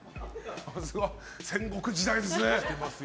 戦国時代ですね。